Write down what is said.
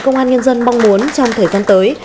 công an nhân dân mong muốn trong thời gian tới